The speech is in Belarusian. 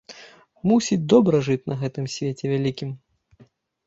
Мусіць, добра жыць на гэтым свеце вялікім?